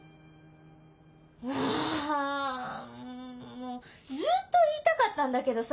もうずっと言いたかったんだけどさ